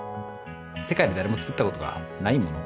世界で誰も作ったことがないもの